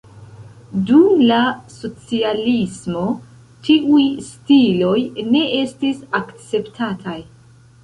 Dum la socialismo tiuj stiloj ne estis akceptataj.